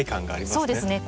そうですね。